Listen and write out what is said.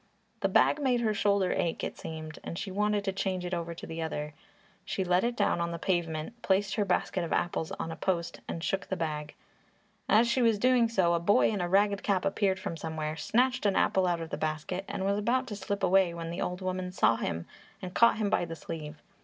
The bag made her shoulder ache it seemed and she wanted to change it over to the other shoulder. She let it down on the pavement, placed her basket of apples on a post and shook the bag. As she was doing so a boy in a ragged cap appeared from somewhere, snatched an apple out of the basket and was about to slip away when the old woman saw him and caught him by the sleeve.